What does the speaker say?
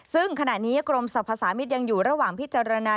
ซึ่งขณะนี้กรมสรรพสามิตรยังอยู่ระหว่างพิจารณา